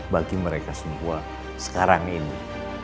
bagi mereka semua sekarang ini